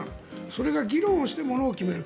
それが、議論してものを決める。